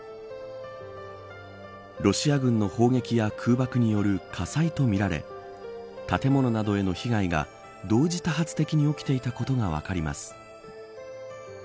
ロシア軍の砲撃や空爆による火災とみられ建物などへの被害が同時多発的に起きていたことが分かります。